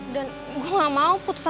hapanya meleset gue